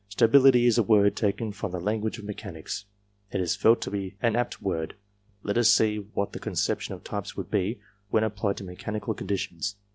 Stability is a word taken from the language of mechanics ; it is felt to be an apt word ; let us see what the conception of types would be, when applied to me chanical conditions.